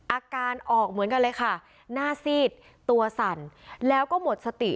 อาการออกเหมือนกันเลยค่ะหน้าซีดตัวสั่นแล้วก็หมดสติ